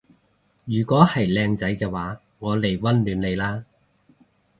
如果係靚仔嘅話我嚟溫暖你啦